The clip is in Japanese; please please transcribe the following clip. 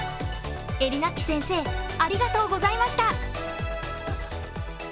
えりなっち先生、ありがとうございました。